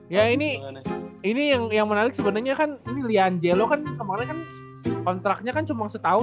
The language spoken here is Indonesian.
ya ini yang menarik sebenernya kan ini lianjelo kan kemarin kan kontraknya kan cuman setahun